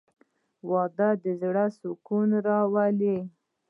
• واده د زړه سکون راولي.